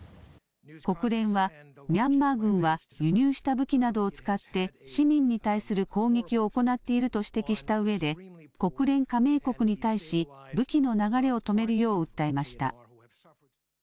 国連はミャンマー軍は輸入した武器などを使って市民に対する攻撃を行っていると指摘したうえで国連加盟国に対し武器の流れを止めるよう訴えました。